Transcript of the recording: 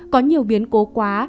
có nhiều biến cố quá